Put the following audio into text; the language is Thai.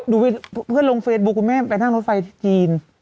เพื่อนลงเฟซบุ๊คคุณแม่ไปนั่งรถไฟที่จีน